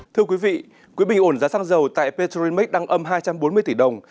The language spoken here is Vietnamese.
thưa quý vị quỹ bình ổn giá xăng dầu tại petrolimax đang âm hai trăm bốn mươi tỷ đồng